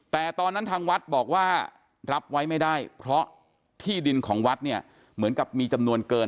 แต่ตอนนั้นทางวัดบอกว่ารับไว้ไม่ได้เพราะที่ดินของวัดเนี่ยเหมือนกับมีจำนวนเกิน